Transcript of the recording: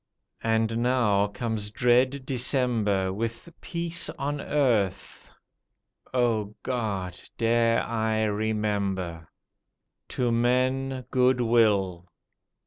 And now comes dread December, With "Peace on Earth." O God! dare I remember? "To men goodwill."